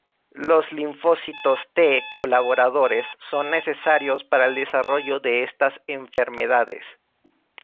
Los linfocitos T colaboradores son necesarios para el desarrollo de estas enfermedades.